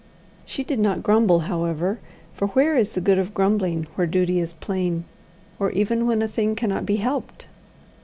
She did not grumble, however, for where is the good of grumbling where duty is plain, or even when a thing cannot be helped?